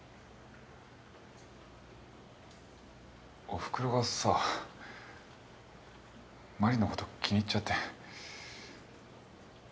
おふくろがさ真理のこと気に入っちゃって。